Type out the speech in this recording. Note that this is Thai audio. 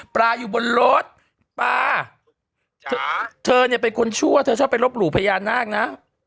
ปลาอยู่บนรถปลาเธอเนี่ยเป็นคนชั่วเธอชอบไปรบหลู่พญานาคนะ